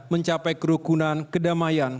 mencapai kerukunan kedamaian